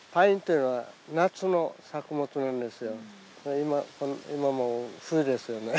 今今もう冬ですよね？